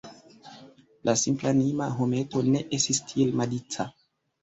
La simplanima hometo ne estis tiel malica.